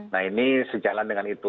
nah ini sejalan dengan itu